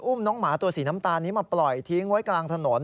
อุ้มน้องหมาตัวสีน้ำตาลนี้มาปล่อยทิ้งไว้กลางถนน